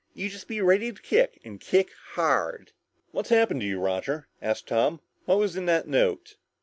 You just be ready to kick and kick hard!" "What's happened to you, Roger?" asked Tom. "What was in that note?"